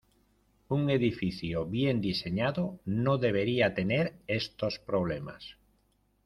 Un edificio bien diseñado no debería tener estos problemas.